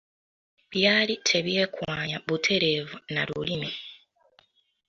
Byali tebyekwanya butereevu na Lulimi.